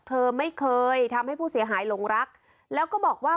เธอไม่เคยทำให้ผู้เสียหายหลงรักแล้วก็บอกว่า